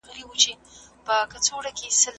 د یو مشر اخلاق د ټول ملت د اخلاقو استازیتوب کوي.